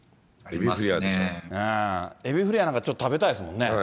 なんかちょっと食べたいですもんね。